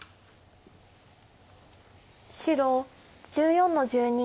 白１４の十二。